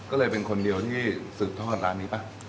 ก็เลยเป็นคนเดียวที่สืบทอดร้านนี้ป่ะ